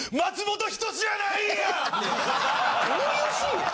どういうシーンや。